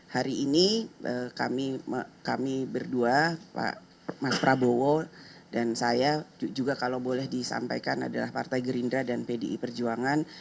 hari ini kami berdua pak prabowo dan saya juga kalau boleh disampaikan adalah partai gerindra dan pdi perjuangan